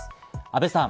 阿部さん。